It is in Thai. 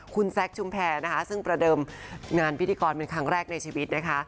คุณแซคชุมแพรนะคะซึ่งประเดิมงานพิธีกรเป็นครั้งแรกในชีวิตนะคะ